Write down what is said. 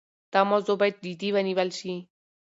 دا موضوع باید جدي ونیول شي.